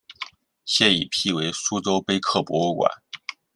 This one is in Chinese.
现已辟为苏州碑刻博物馆。